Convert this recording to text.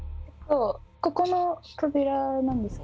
ここの扉なんですけど。